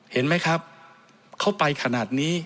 เห็นไหมครับเขาไปขนาดนี้